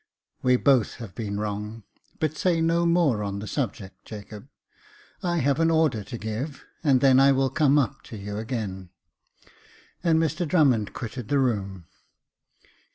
" "We both have been wrong — but say no more on the subject, Jacob ; I have an order to give, and then I will come up to you again ;" and Mr Drummond quitted the room.